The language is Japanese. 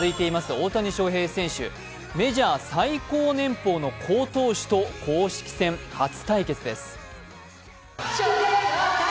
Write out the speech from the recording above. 大谷翔平選手、メジャー最高年俸の好投手と公式戦初対決です。